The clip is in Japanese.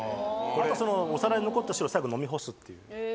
あとはお皿に残った汁を最後飲み干すっていう。